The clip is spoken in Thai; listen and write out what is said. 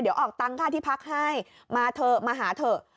เดี๋ยวออกตังค่าที่พักให้มาเถอะมาหาเถอะ